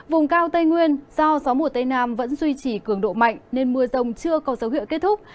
vùng cao tây nguyên do gió mùa tây nam vẫn duy trì cường độ mạnh nên mưa rông chưa có dấu hiệu kết thúc